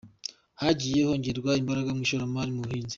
Hagiye kongerwa imbaraga mu ishoramari mu buhinzi